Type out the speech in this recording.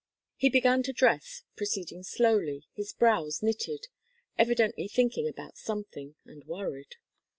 He began to dress, proceeding slowly, his brows knitted, evidently thinking about something, and worried.